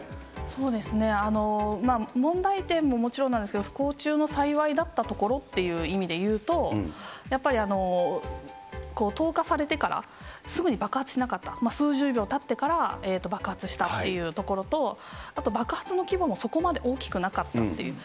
そうですね、問題点ももちろんなんですけれども、不幸中の幸いだったところという意味でいうと、やっぱり投下されてからすぐに爆発しなかった、数十秒たってから爆発したっていうところと、あと爆発の規模もそこまで大きくなかったっていう。